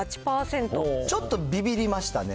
ちょっとビビりましたね。